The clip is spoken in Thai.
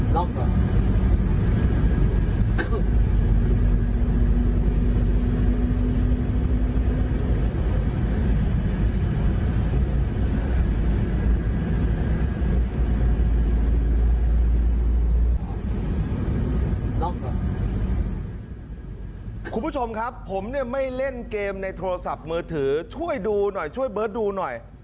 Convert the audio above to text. คุณผู้ชมครับผมเนี่ยไม่เล่นเกมในโทรศัพท์มือถือช่วยดูหน่อยช่วยเบิร์ตดูหน่อย